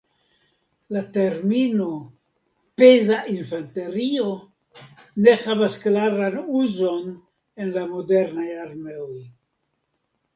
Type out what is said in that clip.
La termino "peza infanterio" ne havas klaran uzon en la modernaj armeoj.